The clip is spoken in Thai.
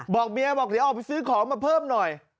บอกเมียบอกเดี๋ยวออกไปซื้อของมาเพิ่มหน่อย